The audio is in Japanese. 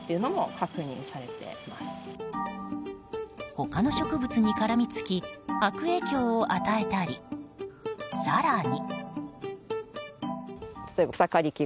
他の植物に絡みつき悪影響を与えたり、更に。